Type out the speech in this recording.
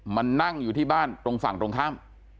มานั่งอยู่ที่บ้านตรงฝั่งตรงข้าม